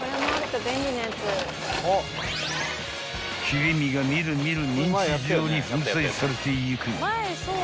［切り身が見る見るミンチ状に粉砕されていく］